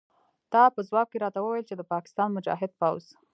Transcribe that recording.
تا په ځواب کې راته وویل چې د پاکستان مجاهد پوځ.